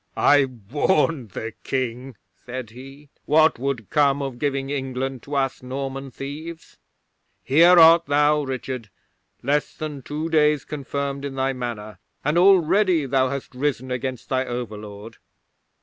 '"I warned the King," said he, "what would come of giving England to us Norman thieves. Here art thou, Richard, less than two days confirmed in thy Manor, and already thou hast risen against thy overlord.